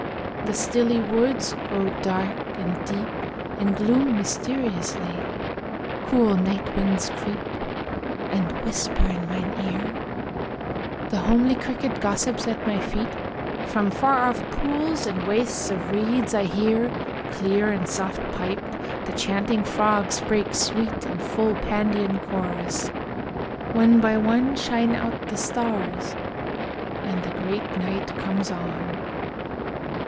The stilly woods Grow dark and deep and gloom mysteriously. Cool night winds creep, and whisper in mine ear, The homely cricket gossips at my feet, From far off pools and wastes of reeds I hear, Clear and soft piped, the chanting frogs break sweet In full Pandean chorus. One by one Shine out the stars, and the great night comes on.